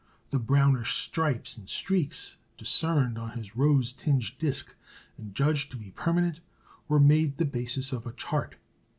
The brownish stripes and streaks, discerned on his rose tinged disc, and judged to be permanent, were made the basis of a chart.